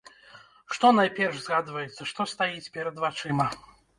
Што найперш згадваецца, што стаіць перад вачыма?